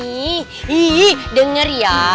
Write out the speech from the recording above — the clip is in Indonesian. ih denger ya